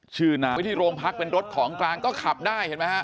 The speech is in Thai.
ชื่อน้ำไม่ได้โรงพักเป็นรถของกลางก็ขับได้เห็นไหมฮะ